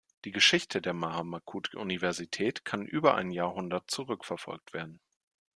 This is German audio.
Die Geschichte der Mahamakut-Universität kann über ein Jahrhundert zurückverfolgt werden.